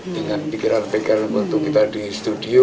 dengan pikiran pikiran untuk kita di studio